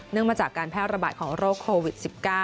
มาจากการแพร่ระบาดของโรคโควิด๑๙